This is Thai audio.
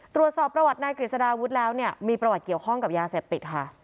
ตรวจสอบประวัตินายกฤษฎาวุฒิแล้วเนี่ยมีประวัติเกี่ยวข้องกับยาเสพติดค่ะ